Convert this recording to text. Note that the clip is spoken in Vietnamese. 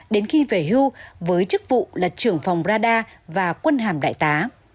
đến khi về hưu với chức vụ là trưởng phòng radar và quân hàm đại tá